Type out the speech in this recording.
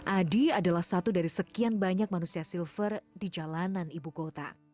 adi adalah satu dari sekian banyak manusia silver di jalanan ibu kota